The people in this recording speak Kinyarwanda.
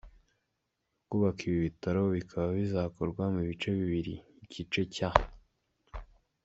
Kubaka ibi bitaro bikaba bizakorwa mu bice bibiri, igice cya